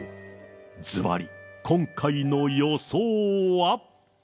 ずばり、今回の予想は？